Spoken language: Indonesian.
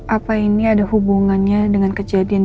apa ini ada hubungannya dengan kejadian